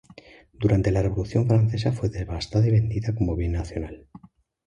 Durante la Revolución francesa fue devastada y vendida como bien nacional.